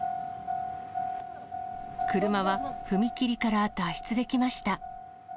車は踏切から脱出できました。